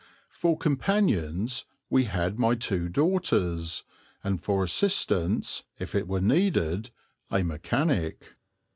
For companions we had my two daughters, and for assistance, if it were needed, a mechanic.